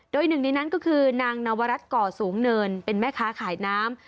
โดยหนึ่งในนั้นก็คือนางนวรัฐก่อสูงเนินเป็นแม่ค้าขายน้ำ